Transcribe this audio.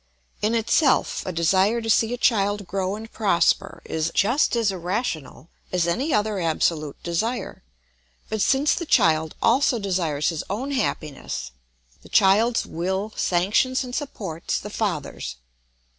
In itself, a desire to see a child grow and prosper is just as irrational as any other absolute desire; but since the child also desires his own happiness, the child's will sanctions and supports the father's.